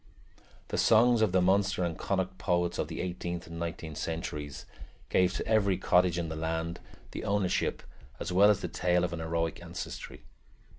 The songs of the Munster and Connacht poets of the eighteenth and nineteenth centuries gave to every cottage in the land the ownership as well as the tale of an heroic ancestry.